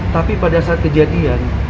tapi pada saat kejadian